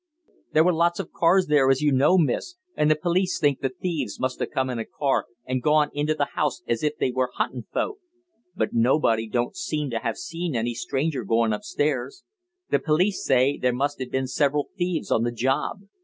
There was lots of cars there as you know, Miss, and the police think the thieves must have come in a car and gone into the house as if they were hunting folk. But nobody don't seem to have seen any stranger going upstairs the police say there must have been several thieves on the job.